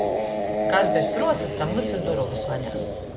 Kas bez pruota, tam vysys durovys vaļā!